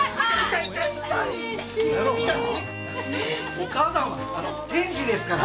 お母さんは天使ですから。